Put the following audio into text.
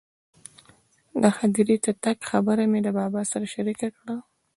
د هدیرې تګ خبره مې له بابا سره شریکه کړه.